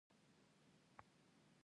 د کمزورو ساتنه د اتلانو خصلت دی.